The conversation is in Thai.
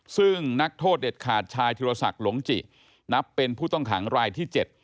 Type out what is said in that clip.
ซึ่งนักโทษเด็ดขาดชายธิรศักดิ์หลงจินับเป็นผู้ต้องขังรายที่๗